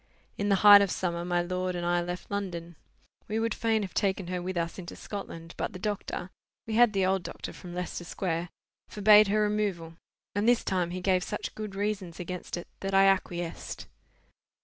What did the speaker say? In the height of summer my lord and I left London. We would fain have taken her with us into Scotland, but the doctor (we had the old doctor from Leicester Square) forbade her removal; and this time he gave such good reasons against it that I acquiesced.